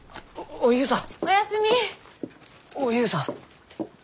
おゆうさん